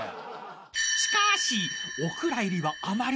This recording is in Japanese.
［しかし］